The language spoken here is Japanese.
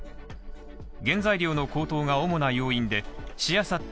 原材料の高騰が主な要因で、しあさって